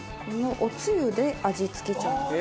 このおつゆで味付けちゃう。